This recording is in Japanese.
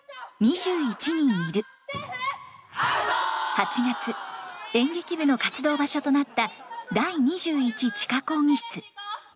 ８月演劇部の活動場所となった第２１地下講義室。